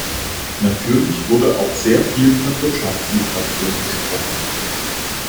Natürlich wurde auch sehr viel von Wirtschaftsmigration gesprochen.